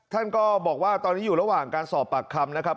ท่านก็บอกว่าตอนนี้อยู่ระหว่างการสอบปากคำนะครับ